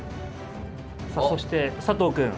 さあそして佐藤くん